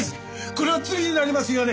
これは罪になりますよね？